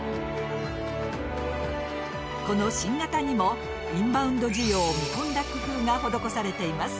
この新型にもインバウンド需要を見込んだ工夫が施されています。